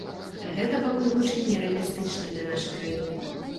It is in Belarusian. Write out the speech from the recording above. Гэта пакуль гучыць не рэалістычна для нашай краіны.